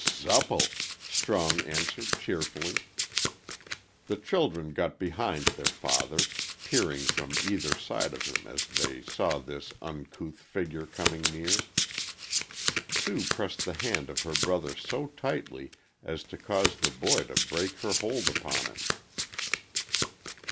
"S supple!" Strong answered, cheerfully. The children got behind their father, peering from either side of him as they saw this uncouth figure coming near. Sue pressed the hand of her brother so tightly as to cause the boy to break her hold upon him.